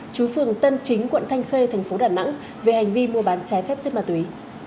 chú phường tân chính quận thanh khê tp đà nẵng về hành vi mua bán trái phép xét ma túy